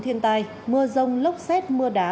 thiên tai mưa rông lốc xét mưa đá